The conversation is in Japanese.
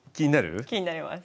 気になります。